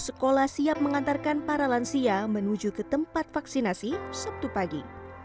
sekolah siap mengantarkan para lansia menuju ke tempat vaksinasi sabtu pagi